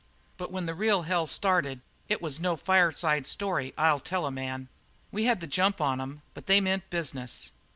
But when the real hell started it wasn't no fireside story, I'll tell a man. We had the jump on 'em, but they meant business.